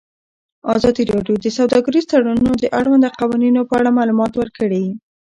ازادي راډیو د سوداګریز تړونونه د اړونده قوانینو په اړه معلومات ورکړي.